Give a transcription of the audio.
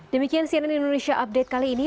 demikian cnn indonesia update kali ini